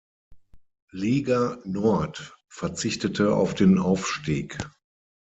Liga Nord, verzichtete auf den Aufstieg.